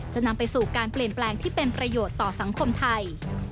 จะนำไปสู่การเปลี่ยนแปลงที่เป็นประโยชน์ต่อสังคมไทย